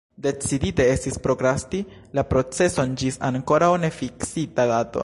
Decidite estis prokrasti la proceson ĝis ankoraŭ nefiksita dato.